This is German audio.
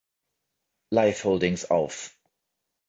Life Holdings auf.